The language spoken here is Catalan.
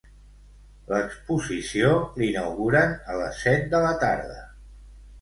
L'exposició l'inauguren a les set de la tarda